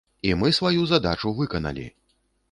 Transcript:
І мы сваю задачу выканалі.